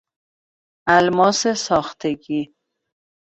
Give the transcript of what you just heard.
الماس ساختگی